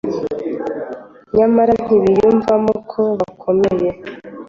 nyamara ntibiyumvamo ko bakomeye.